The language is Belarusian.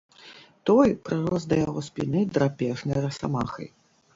Той прырос да яго спіны драпежнай расамахай.